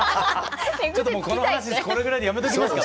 この話これぐらいでやめときますか。